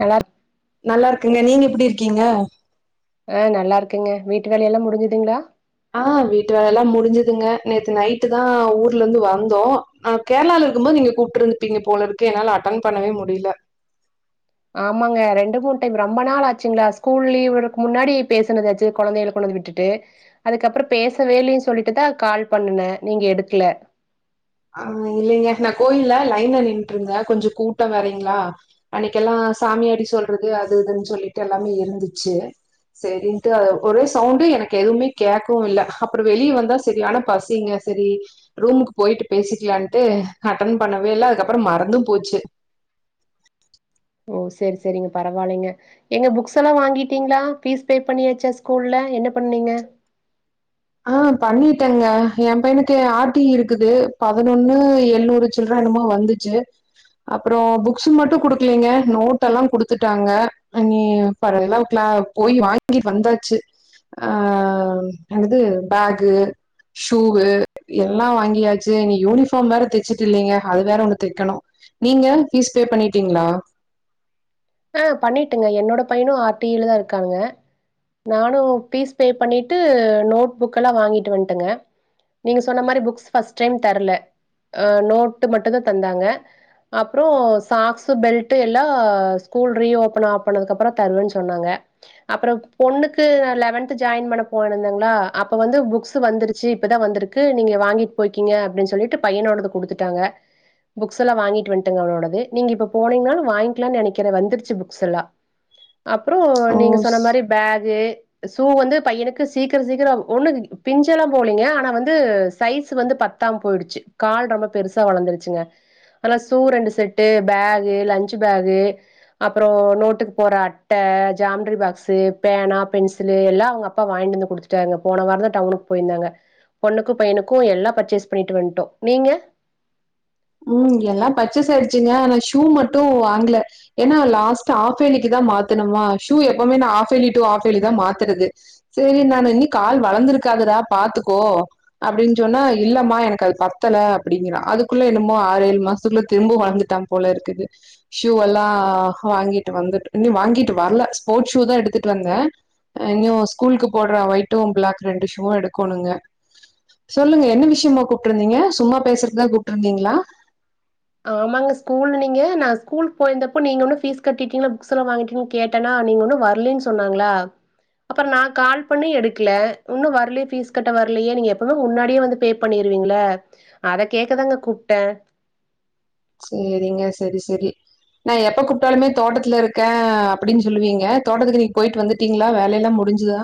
நல்லாருக் ங்க நீங்க எப்படி இருக்கீங்க ஆ நல்லா இருக்கங்க வீட்டு வேலைய எல்லாம் முடிஞ்சுதுங்களா ஆ வீட்டு வேல எல்லாம் முடிஞ்சுதுங்க நேத்து நைட்டு தான் ஊர்ல இருந்து வந்தோம் கேரளால இருக்கும்போது நீங்க கூப்பிட்டு இருந்துப்பீங்க போல இருக்கு என்னால அட்டன் பண்ணவே முடியல ஆமாங்க ரெண்டு மூணு டைம் ரொம்ப நாள் ஆச்சுங்களா ஸ்கூல் லீவக்கு முன்னாடி பேசுனதாச்சு குழந்தைகல கொண்டுந்து விட்டுட்டு அதுக்கப்புறம் பேசவேலன்னு சொல்லிட்டுதான் கால் பண்ணுன நீங்க எடுக்கல ஆ இல்லலைங்க நான் கோயில் லைன நின்ட்டு இருந்தேன் கொஞ்சம் கூட்டம் வேறங்களா அன்னைக்கெல்லாம் சாமியாடி சொல்றது அது இதுன்னு சொல்லிட்டு எல்லாமே இருந்துச்சு சரின்ட்டு ஒரே சவுண்டு எனக்கு எதுவுமே கேட்கவும் இல்ல அப்புறம் வெளியே வந்தா சரி ஆனா பசிங்க சரி ரூமுக்கு போயிட்டு பேசிக்கலான்ட்டு அட்டன் பண்ணவே இல்ல அதுக்கப்புறம் மறந்தும் போச்சு ஓ சேரி சேரிங்க பரவாயில்லைங்க எங்க புக்ஸ் எல்லாம் வாங்கிட்டீங்களா பீஸ் பே பண்ணியாச்சா ஸ்கூல்லல என்ன பண்ணீங்க ஆ பண்ணிட்டேங்க என் பையனுக்கு ஆர்டி இருக்குது பதினொன்னு எழுநூறு சில்ரனமா வந்துச்சு அப்புறம் புக்ஸ மட்டும் குடுக்கலீங்க நோட் எல்லாம் குடுத்துட்டாங்க நீ பல்லாம் கிள போய் வாங்கிட்டு வந்தாச்சு ஆ அது பேக்கு ஷூவு எல்லாம் வாங்கியாச்சு இனி யூனிஃபார்ம் வேற தச்சுட்டு இல்லலைங்க அது வேற ஒன்னு தைக்கணும் நீங்க பீஸ் பே பண்ணிட்டீங்களா ஆ பண்ணிட்டுங்க என்னோட பையனும் ஆர்டீ ல தான் இருக்காங்க நானும் பீஸ் பே பண்ணிட்டு நோட் புக் எல்லாம் வாங்கிட்டு வந்ட்டங்க நீங்க சொன்ன மாதிரி புக்ஸ் பஸ்ட் டைம் தரல ஆ நோட்டு மட்டும் தான் தந்தாங்க அப்புறம் சாக்ஸ் பெல்ட் எல்லாம் ஸ்கூல் ரீ ஓபன் ஆ பண்ணதுக்கு அப்புறம் தருவன்னு சொன்னாங்க அப்புறம் பொண்ணுக்கு லெவன்த் ஜாயின் பண்ண போந்தேங்களா அப்ப வந்து புஸ் வந்துருச்சு இப்பதான் வந்திருக்கு நீங்க வாங்கிட்டு போயக்கீங்க அப்படின்னு சொல்லிட்டு பையனோட குடுட்டாங்க புக்ஸ் எல்லாம் வாங்கிட்டு வந்துட்டங்க அவனோட நீங்க இப்ப போனீங்க வாங்கலாம்னு நினைக் க்கிற வந்துடுச்சு புக்ஸ் எல்லாம் அப்புறம் ஓ! நீங்கள் சொன்ன ஸ் மாதிரி பேகு சூ வந்து பையனுக்கு சீக்கிரம் சீக்கிரம் ஒண்ணு பிஞ்ச எல்லாம் போலீங்க ஆனா வந்து சைஸ் வந்து பத்தாம் போயிடுச்சு கால் ரொம்ப பெருசா வளர்ந்துருச்சுங்க ஆனா சூ ரெண்டு செட்டு பேகு லன்ச் பேகு அப்புறம் நோட்டுக்கு போற அட்டை ஜாமடரி பாக்ஸ் பேனா பென்சிலு எல்லாம் அவங்க அப்பா வாங்கிட்டுருந்து குடுத்துட்டாங்க போன வாரம் தான் டவுனுக்கு போயிருந்தாங்க பொண்ணுக்கும் பையனுக்கும் எல்லாம் பர்ச்சேஸ் பண்ணிட்டு வந்ட்டோம் நீங்க ம் எல்லாம் பரச்சேசு ஆயிடுச்சுங்க ஆனா ஷூ மட்டும் வாங்கல ஏன்னா லாஸ்ட் ஆ ஹாஃப் வேலிக்குதான் மாத்தணுமா ஷூ எப்பவுமே நான் ஹாஃப் வேலி டூ ஹாஃப் வேலி தான் மாத்துறது சரி நான் இனி கால் வளர்ந்திருக்காதடா பாத்துக்கோ அப்படின்னு சொன்னா இல்லமா எனக்கு அது பத்தல அப்படிங்கறான் அதுக்குள்ள ஆறு ஏழு மாசத்துக்குள்ள திரும்ப வளர்ந்தாடா போல இருக்குது ஷூ எல்லாம் வாங்கிட்டு வந்து வாங்கிட்டு வரல ஸ்போர்ட ஷூ தான் எடுத்துட்டு வந்தேன் இன்னும் ஸ்கூலுக்கு போடுற ஒயட்டும் பிளாக் ரெண்டு ஷூ எடுக்குங்க சொல்லுங்க என்ன விஷயமா கூப்பிட்டு இருந்தீங்க சும்மா பேசுறதுான் கூப்ப இருந்தீங்களா ஆமாங்க ஸ்கூல் ல நீங்க நான் ஸ்கூல் போயிருந்தப்போ நீங்க ஒன்னும் பீஸ் கட்டிட்டீங்க புக்ஸ் எல்லாம் வாங்கிட்டீ கேட்டேனா நீங்க ஒன்னும் வரலன்னு சொன்னாங்களா அப்புறம் நான் கால் பண்ணி எடுக்கல இன்னும் வரல பீஸ் கட்ட வரலையே நீங்க எப்பவுமே முன்னாடியே வந்து பே பண்ணிருவீங்கள அத கேக்கதாங்க கூப்ட்ட சரிங்க சரி சரி நான் எப்ப கூப்பிட்டாலுமே தோட்டத்துல இருக்கேன் அப்படின்னு சொல்லுவீங்க தோட்டத்துக்கு நீங்க போயிட்டு வந்துட்டீங்களா வேலைய எல்லாம் முடிஞ்சுதா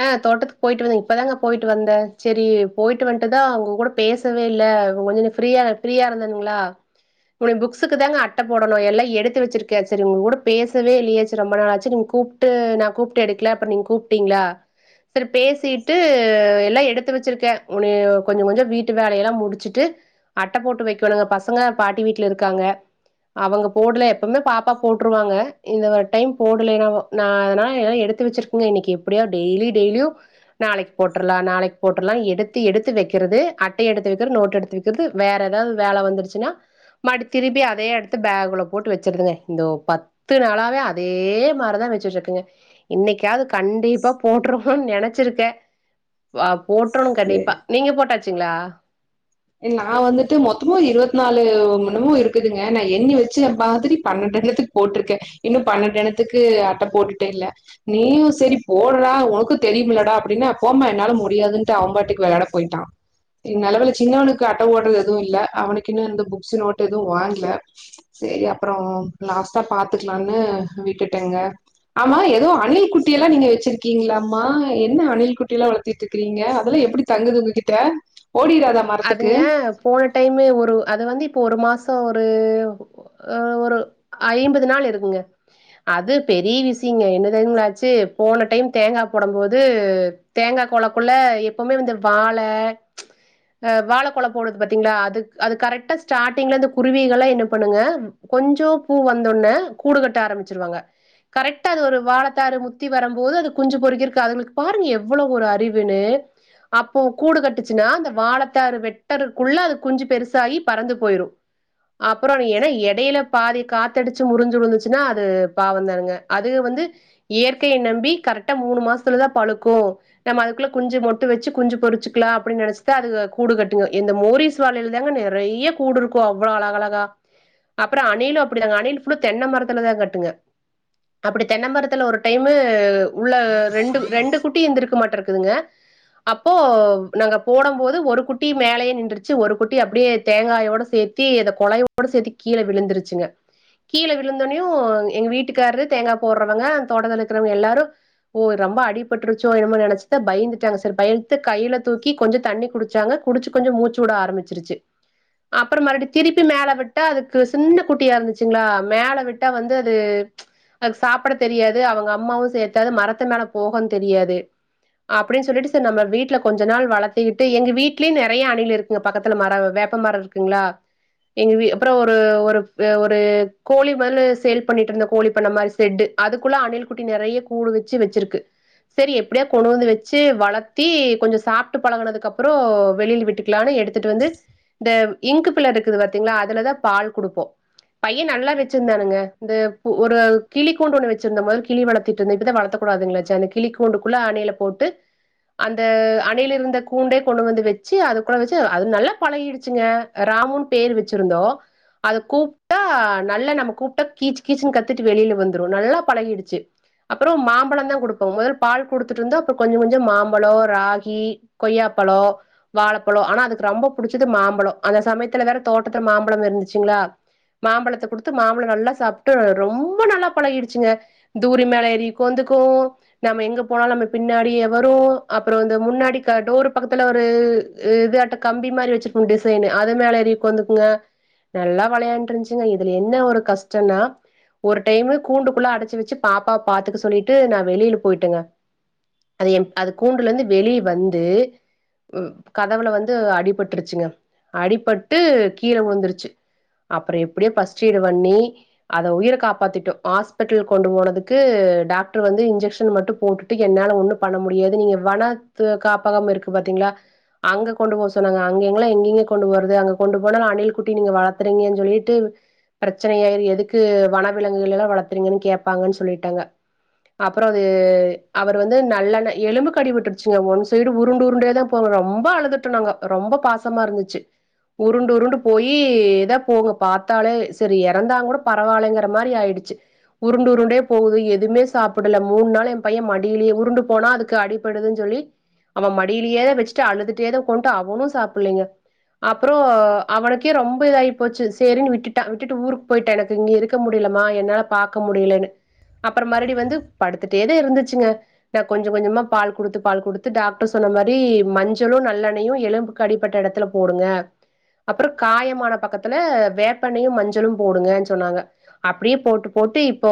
ஆ தோட்டத்துக்கு போயிட்டு வந்தேன் இப்பதாங்க போயிட்டு வந்தேன் சரி போயிட்டு வந்துட்டுதான் உங்க கூட பேசவே இல்லை கொஞ்ச நீ ஃயா ஃப்ரீயா இருந்தேுங்களா டயா புக்ஸுக்கு தாங்க அட்டை போடணும் எல்லாம் எடுத்து வச்சிருக்கே சரி உங்க கூட பேசவே இல்லையாச்சு ரொம்ப நாள ஆச்சு நீங்க கூப்பிட்டு நான் கூப்பிட்டு எடுக்கல அப்பற நீங்க கூப்பிட்டீங்களா சரி பேசிட்டு எல்லாம் எடுத்து வச்சிருக்கேன் உன கொஞ்சம் கொஞ்சம் வீட்டு வேலையெல்லாம் முடிச்சுட்டு அட்டை போட்டு வைக்கணுங்க பசங்க பாட்டி வீட்டுல இருக்காங்க அவங்க போடல எப்பவுமே பாப்பா போட்டுருவாங்க இந்த டைம் போடலன்னா நான் அதனால எல்லாம் எடுத்து வச்சிருக்கேங்க இன்னைக்கு எப்படியா டெய்லி டெய்லியும் நாளைக்கு போட்டுலாம் நாளைக்கு போட்லாம் எடுத்து எடுத்து வைக்கிறது அட்டை எடுத்துக்க நோட் எடுத்து வக்க வேற ஏதாவது வேலை வந்துச்சுன்னா திரும்பி அதே எடுத்துல போட்டு வச்ச பத்து நாளாவே அதே மாதிரின்ச்ச இனிகவது கண்டிப்பா நெனைச்சிருக்கேன் போற்றணும் கண்டிப்பா நீங்க போட்டாச்ச ங்களா நான் வந்துட்டு மொத்தமும் இருபத்தி நாலு மணமும் இருக்குதுங்க நான் எண்ணி வச்ச மாதிரி பன்நெண்டனதுக்கு போட்டிருக்கேன் இன்னும் பன்நெண்டனதுக்கு அட்ட போட்டுட்டு இல்ல நீயும் சரி போடுடா உனக்கும் தெரியும்லடா அப்படின்னா போமா என்னால முடியாதுன்ட்டு அவன்பாட்டுக்கு விளாட போயிட்டான் நல்ல வேள சின்னவனுக்கு அட்டை போடுறது எதுவும் இல்ல அவனுக்கு இன்னும் புக்ஸ் நோட்டு எதுவும் வாங்கல சரி அப்புறம் லாஸ்ட்டா பாத்துக்கலாம்னு விட்டுட்டேங்க ஆமா ஏதோ அணில் குட்டிய எல்லாம் நீங்க வச்சிருக்கீங்களாமா என்ன அணில் குட்டி எல்லாம் வளர்த்தட்டு இருக்கீங்க அதெல்லாம் எப்படி தங்குது உங்க கிட்ட ஓடிராது அதுங்க போன டைமு ஒரு அது வந்து இப்போ ஒரு மாசம் ஒரு ஒ ஒ ஒரு ஐம்பது நாள் இருக்குங்க அது பெரிய விஷயங்க என்னதெரிங்களாச்சு போன டைம் தேங்காய் போடும் போது தேங்காய் குலக்குள்ள எப்பவுமே வந்து வாழை வாழ கொலை போடுறது பாத்தீங்களா அது அது கரெக்டா ஸ்டார்ட்டிங்ல இந்த குருவிகல்லாம் என்ன பண்ணுங்க கொஞ்சம் பூ வந்தோனே கூடு கட்ட ஆரம்பிச்சிருவாங்க கரெக்டா அது ஒரு வாழைத்தாறு முத்தி வரும்போது அது குஞ்சு பொறுக்கிருக்கு அதுங்களுக்கு பாருங்க எவ்வளவு ஒரு அறிவுன்னு அப்போ கூடு கட்டுச்சுன்னா அந்த வாழை தாரு வெட்டறகுள்ள அது குஞ்சு பெருசாகி பறந்து போயிடும் அப்புறம் ஏன்னா இடையில பாதி காத்தடிச்சு முறிஞ்சுழுந்துச்சுன்னா அது பாவந்தானுங்க அது வந்து இயற்கையை நம்பி கரெக்டா மூணு மாசத்துலதான் பழுக்கும் நம்ம அதுக்குள்ள குஞ்சு மொட்டு வச்சு குஞ்சு பொரிச்சிக்கலாம் அப்பிடின்னு நினைச்சுதா அது கூடு கட்டுங்க இந்தா மோரிஸ் வாழைல தாங்க நிறைய கூடு இருக்கும் அவ்ளோ அழஅழகா அப்புறம் அணில் அப்பிடி தாங்க அணில் புள்ளா தென்ன மரத்துல தான் கட்டுங்க அப்படி தென்ன மரத்துல ஒரு டைமு உள்ள ரெண்டு ரெண்டு குட்டி எந்திருக்க மாட்ட இருக்குதுங்க அப்போ நாங்க போடும் போது ஒரு குட்டி மேலயே நின்ருச்சு ஒரு குட்டி அப்படியே தேங்காயோட சேர்த்தி இந்த கொலையோடு சேர்த்து கீழே விழுந்துருச்சுங்க கீழே விழுந்தொன்னியும் எங்க வீட்டுக்காரரு தேங்காய் போடுறவங்க தோட்டத்தில்ல இருக்கிறவங்க எல்லாரும் ஓ ரொம்ப அடிபட்டுருச்சோ என்னமோ நினைச்சிட்டு பயந்துட்டாங்க சார் பயந்து கையில தூக்கி கொஞ்சம் தண்ணி குடிச்சாங்க குடிச்ச கொஞ்சம் மூச்சு விட ஆரம்பிச்சிருச்சு அப்புறம் மறுபடி திருப்பி மேல விட்டா அதுக்கு சின்ன குட்டியா இருந்துச்சுங்களா மேல விட்ட வந்து அது அது சாப்பிட தெரியாது அவங்க அம்மாவும் சேர்த்தாது மரத்து மேல போகும் தெரியாது அப்படின்னு சொல்லிட்டு சரி நம்ம வீட்டுல கொஞ்ச நாள் வளர்த்திக்கிட்டு எங்க வீட்டு வீட்லயே நிறைய அணில் இருக்குங்க பக்கத்துல மரம் வேப்ப மரம் இருக்குங்களா எங்க வீ அப்புறம் ஒரு ஒரு ஒரு கோழி முதல் சேல் பண்ணிட்டு இருந்த கோழி பண்ண மாதிரி செட்டு அதுக்குள்ள அணில் குட்டி நிறைய கூடு வச்சு வச்சிருக்கு சரி எப்படியா கொண்டு வந்து வச்சு வளர்த்தி கொஞ்சம் சாப்பிட்டு பழகனதுக்கு அப்புறம் வெளிய விட்டுக்கலாம்னு எடுத்துட்டு வந்து இந்த இங்கு பிள்ள இருக்குது பாத்திங்களா அதுலதான் பால் கொடுப்போம் பையன் நல்லா வச்சிருந்தானுங்க இந்த ஒரு கிளி கூண்டு ஒண்ணு வச்சிருந்த போ கிளி வளர்த்திட்டு இருந்தேன் இப்போ தான் வளத்தக் கூடாதுனு வந்துச்சே அந்த கிளி கூண்டுக்குள்ள அணில போட்டு அந்த அணில் இருந்த கூண்டே கொண்டு வந்து வச்சி சு அதுகூட வச்சி அது நல்லா பழகிடுச்சுங்க ராமுன்னு பேர் வச்சிருந்தோம் அதை கூப்பிட்டா நல்லா நம்ம கூப்பிட்டா கீச் கீச்சின்னு கத்துட்டு வெளியில வந்துரும் நல்லா பழகிடுச்சு அப்புறம் மாம்பழம் தான் கொடுப்போம் முதல் பால் குடுத்துட்டு இருந்தோம் அப்புறம் கொஞ்சம் கொஞ்சம் மாம்பழம் ராகி கொய்யாப்பழம் வாழைப்பழம் ஆனா அதுக்கு ரொம்ப பிடிச்சது மாம்பழம் அந்த சமயத்துல வேற தோட்டத்துல மாம்பழம் இருந்துச்சுங்களா மாம்பழத்தை கொடுத்து மாம்பழம் நல்லா சாப்பிட்டு ரொம்ப நல்லா பழகிடுச்சுங்க தூரி மேல ஏறி உக்காந்துக்கும் நம்ம எங்க போனாலும் நம்ம பின்னாடியே வரும் அப்புறம் இந்த முன்னாடி டோரு பக்கத்துல ஒரு இதட்ட கம்பி மாரி வச்சுருபாங்க டிசைனு அது மேல ஏறி உக்காந்துக்கங்க நல்லா விளையாண்டு இருச்சுங்க இதுல என்ன ஒரு கஷ்டம்ன்னா ஒரு டைமு கூண்டுக்குள்ள அடைச்சு வச்சு பாப்பாவ பாத்துக்க சொல்லிட்டு நான் வெளியில போயிட்டேங்க அது எம் அது கூண்டுல இருந்து வெளிய வந்து கதவுல வந்து அடிபட்டுருச்சுங்க அடிபட்டு கீழ விழுந்துருச்சு அப்புறம் எப்படியே பஸ்ட் எய்டு பண்ணி அதை உயிரை காப்பாத்திட்டோம் ஹாஸ்பிட்டல் கொண்டு போனதுக்கு டாக்டர் வந்து இன்ஜெக்ஷன் மட்டும் போட்டுட்டு என்னால ஒண்ணும் பண்ண முடியாது நீங்க வன காப்பகம் இருக்கு பாத்தீங்களா அங்க கொண்டு போக சொன்னாங்க அங்க எங்காம் எங்கங்க கொண்டு போறது அங்க கொண்டு போனாலும் அணில் குட்டி நீங்க வளத்துறீங்கன்னு சொல்லிட்டு பிரச்சனை ஆயிரு எதுக்கு வனவிலங்குகள் எல்லாம் வளர்த்துறீங்கன்னு கேப்பாங்கன்னு சொல்லிட்டாங்க அப்புறம் அது அவர் வந்து நல்லெண்ண எலும்புக் அடி விட்டுருச்சுங்க ஒன்சைடு உருண்டு உருண்டே தான் போகும் ரொம்ப ரொம்ப அழுதிட்டு இருந்தாங்க ரொம்ப பாசமா இருந்துச்சு உருண்டு உருண்டு போயி எதா போகும் பாத்தாலே சரி இறந்தா கூட பரவாயில்லங்கிற மாரி ஆயிடுச்சு உருண்டு உருண்டே போகுது எதுவுமே சாப்பிடல மூணு நாள் என் பையன் மடியிலயே உருண்டு போனா அதுக்கு அடிப்படுதுன்னு சொல்லி அவன் மடியிலயே வச்சுட்டு அழுது ட்டே கொண்ட்டு அவனும் சாப்டிலீங்க அப்புறம் அவனுக்கே ரொம்ப இதாய் போச்சு செரின்னு விட்டுட்டான் விட்டுட்டு ஊருக்கு போயிட்டு எனக்கு இங்க இருக்க முடியலமா என்னால பாக்க முடியலனு அப்புறம் மறுபடி வந்து படுத்துட்டே தான் இருந்துச்சுங்க நான் கொஞ்சம் கொஞ்சமா பால் கொடுத்து பால் கொடுத்து டாக்டர் சொன்ன மாரி மஞ்ச சளும் நல்லெண்ணயும் எலும்புக்கு அடிப்பட்ட இடத்துல போடுங்க அப்புறம் காயமான பக்கத்துல வேப்பெண்ணயும் மஞ்சளும் போடுங்கனு சொன்னாங்க அப்படியே போட்டு போட்டு இப்போ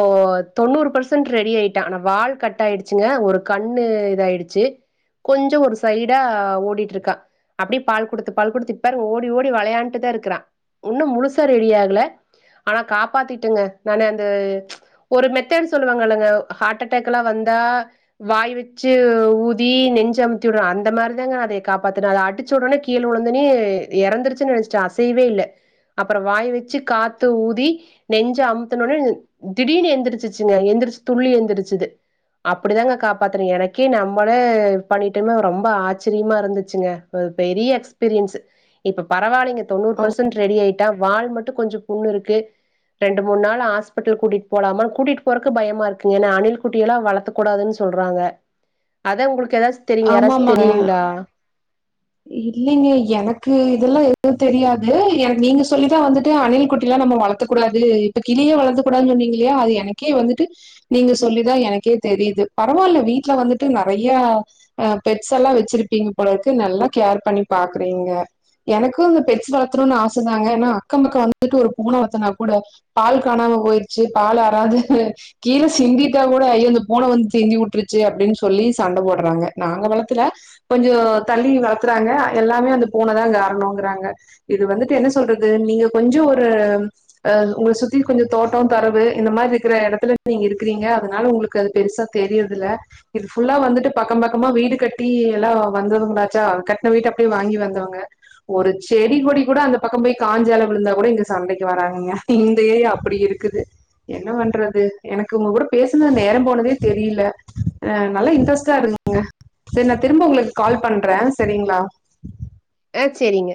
தொண்ணூறு பர்சன்ட் ரெடி ஆயிட்டான் ஆனா வால் கட் ஆயிடுச்சுங்க ஒரு கண்ணு இதாயிடுச்சு கொஞ்சம் ஒரு சைடா ஓடிட்டு இருக்கா அப்பிடி பால் குடுத்து பால் குடுத்து இப்ப பாரு ஓடி ஓடி விளையாண்டு தான் இருக்குறான் இன்னும் முழுசா ரெடி ஆகல ஆனா காப்பாத்தட்டேங்க நானு அந்த ஒரு மெத்தேட் சொல்லுவாங்கயில்லங்க ஹார்ட் அட்டாக் வந்தா வாய் வச்சி ஊதி நெஞ்ச அமுத்தி விடணும் அந்த மாரி தாங்க அது காப்பாத்துன அது அடிச்ச உடனே கீழ விழுந்தவுனே இறந்திருச்சுனு நினைச்சிட்டேன் ஆசையவே இல்ல அப்றம் வாய் வச்சு காத்து ஊதி நெஞ்ச அமுதத்துன உடனே திடிர்னு எந்திருச்சுசுங்க எந்திருச்சு துள்ளி எந்திருச்சுது அப்பிடி தாங்க காப்பாத்தினேன் எனக்கே நம்மளே பண்ணிட்டமேனு ரொம்ப ஆச்சர்யம இருந்துச்சுங்க ஒரு பெரிய பெரிய எக்ஸ்பீரியன்ஸ் இப்ப பரவாயில்லைங்க தொன்னுரு ஓ. பெர்ஸன்ட் ரெடி ஆகி வால் மட்டும் கொஞ்சம் புண்ணு இருக்கு ரெண்டு மூணு நாள் ஹாஸ்பிடல் கூட்டிட்டு போலமா கூட்டிட்டு போறக்கு பயமா இருக்கு ஏன்னா அணில் குட்டி எல்லாம் வளத்தக்கூடாதுனு சொல்றாங்க அத உங்களுக்கு ஏதாச்சு தெரியுங்க யாராச்சும் தெரியுங்களா இல் இல்லைங்க எனக்கு இதெல்லாம் எதுவும் தெரியாது எனக்கு நீங்க சொல்லிதான் வந்துட்டு அணில் குட்டி எல்லாம் நம்ம வளர்த்த கூடாது இப்ப கிளியே வளர்த்த கூடாதுன்னு சொன்னீங்க இல்லையா அது எனக்கே வந்துட்டு நீங்க சொல்லிதான் எனக்கே தெரியுது பரவாயில்ல வீட்டுல வந்துட்டு நிறைய அ பெட்ஸ் எல்லாம் வச்சிருப்பீங்க போலருக்கு நல்லா கேர் பண்ணி பாக்குறீங்க எனக்கும் பெட்ஸ் வளத்தணும்னு ஆசைதாங்க ஏன்னா அக்கம் பக்கம் வந்துட்டு ஒரு பூனை வளத்தனா கூட பால் காணாம போயிருச்சு பால் யாராது கீழே சிந்திட்டா கூட ஐயோ அந்த பூனை வந்து சிண்டி விட்டுருச்சு அப்படின்னு சொல்லி சண்டை போடுறாங்க நாங்க வளர்த்துல கொஞ்சம் தள்ளி வளர் வளத்துறாங்க எல்லாமே அந்த பூன தான் காரணம்கிறாங்க இது வந்துட்டு என்ன சொல்றது நீங்க கொஞ்சம் ஒரு அ உங்க சுத்தி கொஞ்சம் தோட்டம் தொரவு இந்த மாரி இருக்கிற இடத்துல நீங்க இருக்கிறீங்க அதனால உங்களுக்கு அது பெருசா தெரியருதில்ல இது புல்லா வந்துட்டு பக்கம் பக்கமா வீடு கட்டி எல்லாம் வந்தது முண்டச்சா கட் கட்னா வீட்ட அப்படியே வாங்கி வந்தவங்க ஒரு செடி கொடி கூட அந்த பக்கம் போய் காஞ்ச இல விழுந்தா கூட இங்க சண்டைக்கு வராங்கங்க இந்த ஏரியா அப்படி இருக்குது என்ன பண்றது எனக்கு உங்க கூட பேசினது நேரம் போனதே தெரியல்ல நல்லா இன்ட்ரெஸ்டா இருக்குங்க சேரி நான் திரும்ப உங்களுக்கு கால் பண்றேன் சரிங்களா அ சரிங்க